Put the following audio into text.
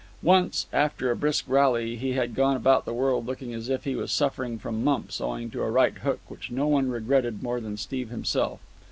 Once, after a brisk rally, he had gone about the world looking as if he was suffering from mumps, owing to a right hook which no one regretted more than Steve himself.